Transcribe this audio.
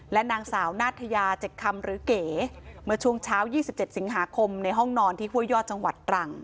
และนางสาวนาธยา๗คำหรือเก๋เมื่อช่วงเช้า๒๗สิงหาคมในห้องนอนที่ห้วยยอดจังหวัดตรัง